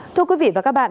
thưa quý vị và các bạn